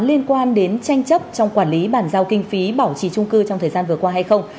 liên quan đến tranh chấp trong quản lý bàn giao kinh phí bảo trì trung cư trong thời gian vừa qua hay không